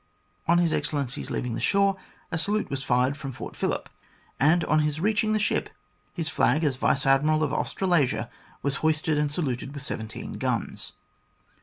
On His Excellency's leaving the shore a salute was fired from Fort Phillip, and on his reaching the ship, his flag as Vice Admiral of Australasia was hoisted and saluted with seventeen guns.